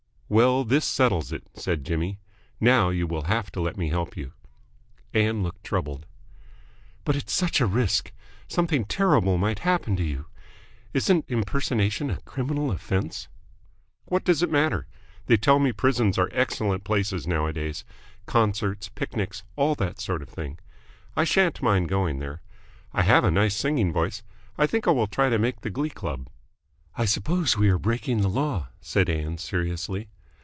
"Well, this settles it," said Jimmy. "Now you will have to let me help you." Ann looked troubled. "But it's such a risk. Something terrible might happen to you. Isn't impersonation a criminal offence?" "What does it matter? They tell me prisons are excellent places nowadays. Concerts, picnics all that sort of thing. I shan't mind going there. I have a nice singing voice. I think I will try to make the glee club." "I suppose we are breaking the law," said Ann seriously.